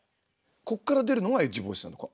ここから出るのがエッジボイスなのか。